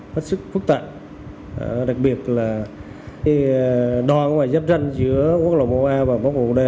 rất phức tạp đặc biệt là đoàn giáp tranh giữa quốc lộ một a và quốc lộ một d